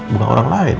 bukan orang lain